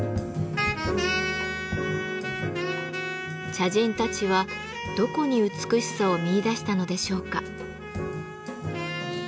茶人たちはどこに美しさを見いだしたのでしょうか？